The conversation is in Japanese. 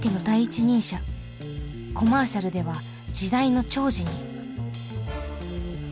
コマーシャルでは時代の寵児に。